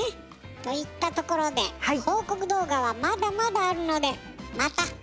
といったところで報告動画はまだまだあるのでまた後でね！